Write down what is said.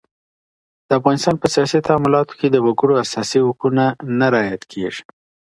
د افغانستان په سیاسي تعاملاتو کي د وګړو اساسي حقونه نه رعایت کیږي.